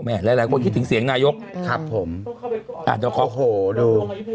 แม่หลายคนคิดถึงเสียงนายกครับผมโอ้โหดู